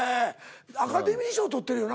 アカデミー賞獲ってるよな？